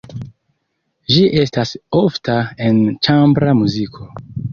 Ĝi estas ofta en ĉambra muziko.